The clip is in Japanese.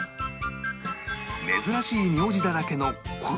珍しい名字だらけのこの町